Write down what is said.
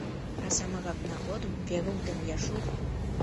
А самырыкна годым — Верук ден Яшук.